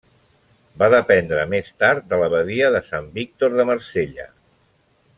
Va dependre més tard de l'abadia de Sant Víctor de Marsella.